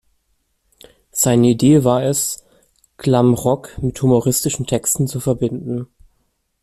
Seine Idee war es, Glam Rock mit humoristischen Texten zu verbinden.